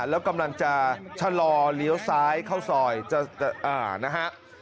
แล้วกำลังจะชะลอเลี้ยวซ้ายเข้าซอยนะฮะ